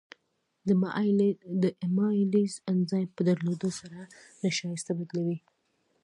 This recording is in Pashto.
د امایلیز انزایم په درلودو سره نشایسته بدلوي.